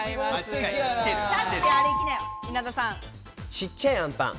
ちっちゃいあんぱん。